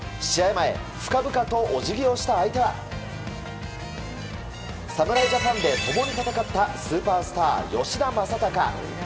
前深々とお辞儀をした相手は侍ジャパンで共に戦ったスーパースター吉田正尚。